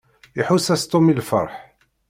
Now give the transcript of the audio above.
Iḥuss-as Tom i lfeṛḥ.